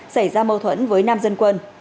xảy ra mâu thuẫn với nam dân quân